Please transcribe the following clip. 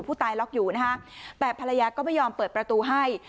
ตายล็อกอยู่นะฮะแต่ภรรยาก็ไม่ยอมเปิดประตูให้